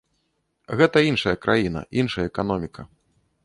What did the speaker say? Гэта іншая краіна, іншая эканоміка.